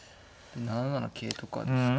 ７七桂とかですか。